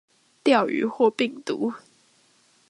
釣魚或病毒